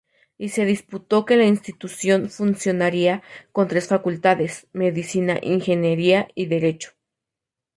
Y se dispuso que la institución funcionaría con tres facultades: Medicina, Ingeniería y Derecho.